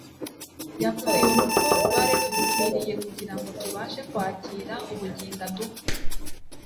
Yapfuye urupfu rwari rudukwiriye kugira ngo tubashe kwakira ubugingo aduha, "